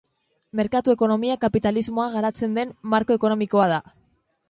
Merkatu-ekonomia kapitalismoa garatzen den marko ekonomikoa da.